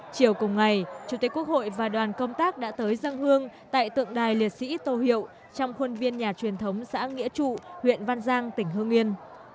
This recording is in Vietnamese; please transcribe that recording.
chiều cùng ngày chủ tịch quốc hội và đoàn công tác đã tới dân hương tại tượng đài liệt sĩ tô hiệu trong khuôn viên nhà truyền thống xã nghĩa trụ huyện văn giang tỉnh hương yên